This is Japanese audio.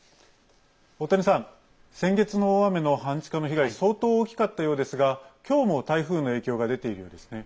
大谷さん、先月の大雨の半地下の被害相当、大きかったようですが今日も台風の影響が出ているようですね。